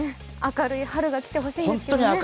明るい春が来てほしいですね。